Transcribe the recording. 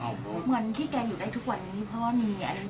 เหมือนที่แกอยู่ได้ทุกวันนี้เพราะว่ามีอะไร